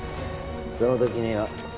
その時には